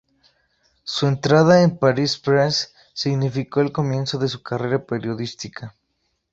Su entrada en "Paris-Presse" significó el comienzo de su carrera periodística.